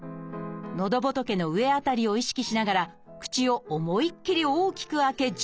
のどぼとけの上辺りを意識しながら口を思いっきり大きく開け１０秒キープ。